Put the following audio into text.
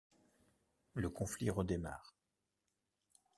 Le conflit redémarre.